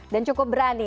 dan cukup berani